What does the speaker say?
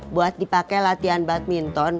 buat dipake latihan badminton